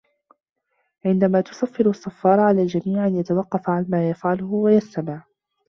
عندما تصفّر الصّفّارة، على الجميع أن يتوقّف عن ما يفعله و يستمع.